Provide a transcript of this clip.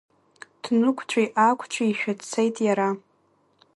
Днықәҵәи-аақәҵәишәа дцеит иара.